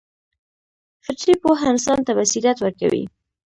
فطري پوهه انسان ته بصیرت ورکوي.